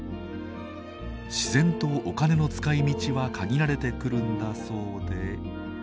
自然とお金の使いみちは限られてくるんだそうで。